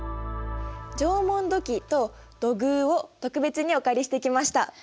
縄文土器と土偶を特別にお借りしてきました。